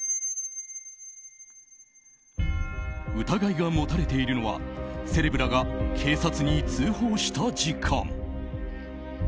疑いが持たれているのはセレブらが警察に通報した時間。